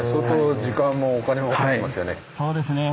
そうですね。